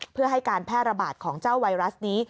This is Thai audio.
เพื่อให้การแพร่ระบาดของเจ้าไวรัสนี้